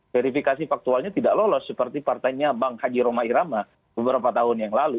verifikasi faktualnya tidak lolos seperti partainya bang haji roma irama beberapa tahun yang lalu